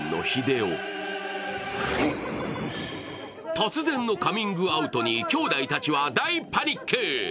突然のカミングアウトに兄弟たちは大パニック。